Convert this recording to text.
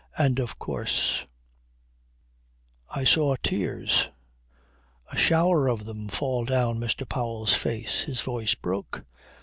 And of course ..." I saw tears, a shower of them fall down Mr. Powell's face. His voice broke.